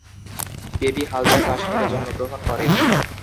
Baby Haldar কাশ্মীরে জন্মগ্রহণ করেন।